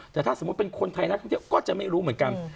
แต่ถ้าสมมุติเป็นคนไทยนักท่องเที่ยวก็จะไม่รู้เหมือนกัน